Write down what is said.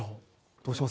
どうします？